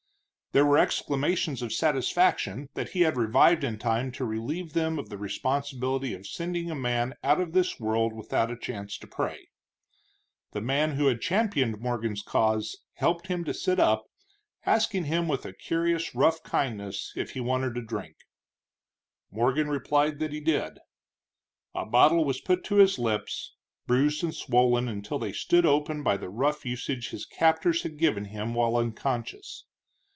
There were exclamations of satisfaction that he had revived in time to relieve them of the responsibility of sending a man out of the world without a chance to pray. The man who had championed Morgan's cause helped him to sit up, asking him with a curious rough kindness if he wanted a drink. Morgan replied that he did. A bottle was put to his lips, bruised and swollen until they stood open by the rough usage his captors had given him while unconscious.